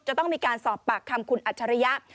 จะต้องมีการสอบปากคำคุณอัจฉริยะ